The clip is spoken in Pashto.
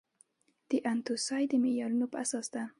د انتوسای د معیارونو په اساس ده.